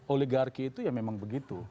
oligarki itu ya memang begitu